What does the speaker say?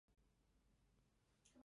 维耶河畔圣迈克桑人口变化图示